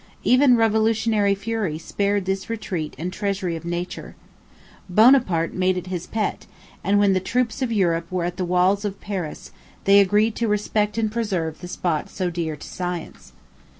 Even revolutionary fury spared this retreat and treasury of Nature. Bonaparte made it his pet, and when the troops of Europe were at the walls of Paris, they agreed to respect and preserve the spot so dear to science.